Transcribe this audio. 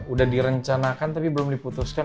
udah direncanakan tapi belum diputuskan